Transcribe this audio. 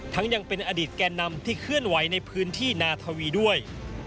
ยังเป็นอดีตแก่นำที่เคลื่อนไหวในพื้นที่นาทวีด้วย